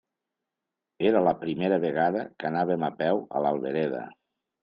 Era la primera vegada que anaven a peu a l'Albereda.